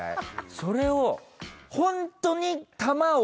それを。